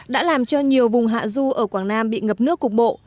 đã làm cho nhiều vùng hạ du ở quảng nam bị ngập nước cục bộ